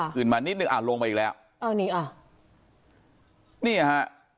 ขึ้นมานิดนึงอ่ะลงไปอีกแล้วอ้าวนี่อ่ะนี่ฮะ